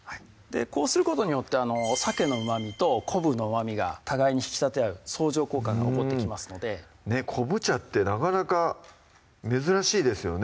こうすることによってさけのうまみと昆布のうまみが互いに引き立て合う相乗効果が起こってきますのでねっ昆布茶ってなかなか珍しいですよね